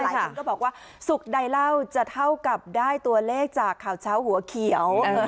ฉันก็บอกว่าสุขใดเล่าจะเท่ากับได้ตัวเลขจากข่าวเช้าหัวเขียว